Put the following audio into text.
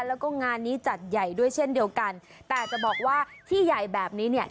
แล้วก็งานนี้จัดใหญ่ด้วยเช่นเดียวกันแต่จะบอกว่าที่ใหญ่แบบนี้เนี่ย